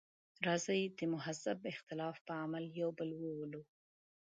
راځئ د مهذب اختلاف په عمل یو بل وولو.